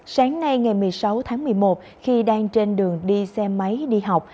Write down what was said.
sáng nay ngày một mươi sáu tháng một mươi một khi đang trên đường đi xe máy đi học